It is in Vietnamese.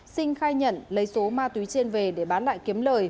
sinh khai nhận lấy số ma túy trên về để bán lại kiếm lời